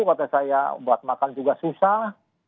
waktu saya buat makan juga susah